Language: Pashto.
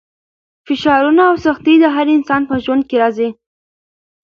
فشارونه او سختۍ د هر انسان په ژوند کې راځي.